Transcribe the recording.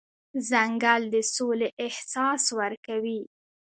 ځنګل د سولې احساس ورکوي.